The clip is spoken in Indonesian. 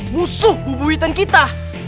musuh bubu hitam kita